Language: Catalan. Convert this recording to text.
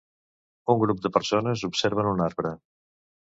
Un grup de persones observen un arbre.